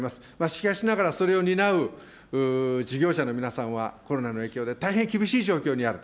しかしながら、それを担う事業者の皆さんは、コロナの影響で大変厳しい状況にある。